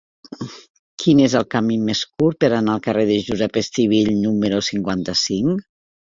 Quin és el camí més curt per anar al carrer de Josep Estivill número cinquanta-cinc?